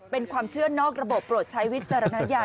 เป็นความเชื่อนอกระบบโปรดใช้วิจารณญาณ